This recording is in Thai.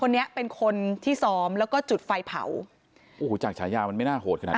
คนนี้เป็นคนที่ซ้อมแล้วก็จุดไฟเผาโอ้โหจากฉายามันไม่น่าโหดขนาดนั้น